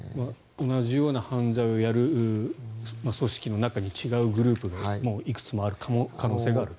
同じような犯罪をやる組織の中に違うグループがいくつもある可能性があると。